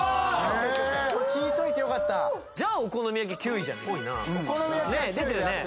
聞いといてよかったじゃあお好み焼９位じゃない？ねえですよね？